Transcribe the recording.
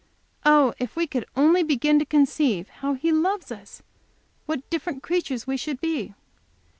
Oh, if we could only begin to conceive how He loves us, what different creatures we should be!"